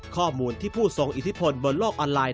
ข้อมูลที่ผู้ทรงอิทธิพลบนโลกออนไลน